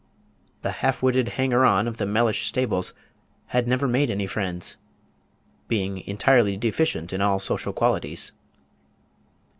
The half witted hanger on of the Mellish stables had never made any friends, being entirely deficient in all social qualities.